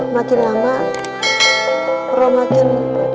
makin lama roh makin